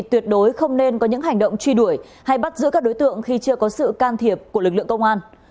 tuyệt đối không nên có những hành động truy đuổi hay bắt giữ các đối tượng khi chưa có sự can thiệp của lực lượng công an